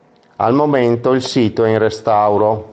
Al momento il sito è in restauro.